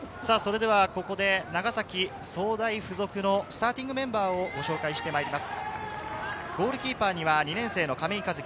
長崎総大附属のスターティングメンバーをご紹介します。